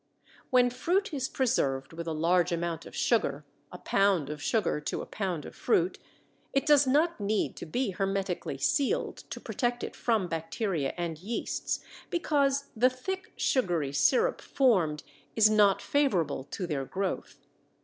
When fruit is preserved with a large amount of sugar (a pound of sugar to a pound of fruit) it does not need to be hermetically sealed to protect it from bacteria and yeasts, because the thick, sugary sirup formed is not favorable to their growth.